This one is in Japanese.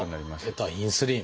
出たインスリン！